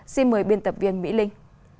xin mời biên tập viên mỹ linh